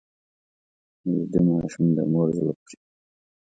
ویده ماشوم د مور زړه خوږوي